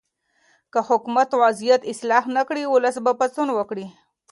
که حکومت وضعیت اصلاح نه کړي، ولس به پاڅون وکړي.